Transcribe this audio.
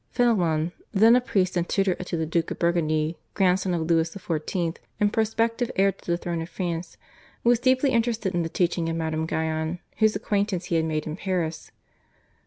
Fenelon, then a priest and tutor to the Duke of Burgundy, grandson of Louis XIV. and prospective heir to the throne of France, was deeply interested in the teaching of Madame Guyon whose acquaintance he had made in Paris.